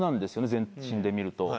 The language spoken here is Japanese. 全身で見ると。